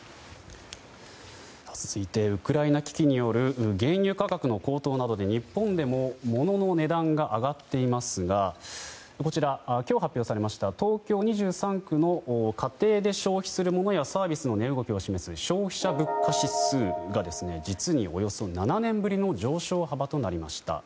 続いてウクライナ危機による原油価格の高騰などで日本でも物の値段が上がっていますがこちら、今日発表されました東京２３区の家庭で消費するものやサービスの値動きを示す消費者物価指数が実におよそ７年ぶりの上昇幅となりました。